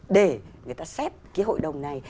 để người ta xét cái hội đồng này